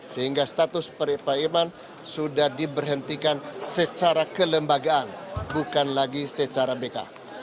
sehingga status peripaiman sudah diberhentikan secara kelembagaan bukan lagi secara bk